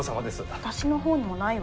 私の方にもないわ。